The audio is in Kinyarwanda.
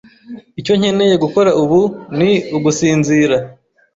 Icyo nkeneye gukora ubu ni ugusinzira.